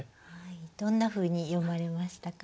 どんなふうに読まれましたか？